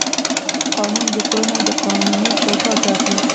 قانون د کړنو قانوني چوکاټ ټاکي.